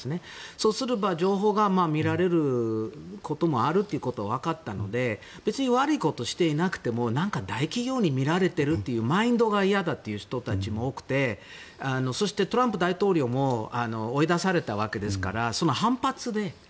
そうすれば情報が見られることもあるということは分かったので別に悪いことをしていなくても何か大企業に見られているというマインドが嫌だという人たちも多くてそして、トランプ大統領も追い出されたわけですからその反発で。